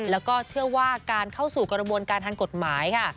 แล้วก็เชื่อว่าการเข้าสู่กระบวนการทางกฎหมายค่ะ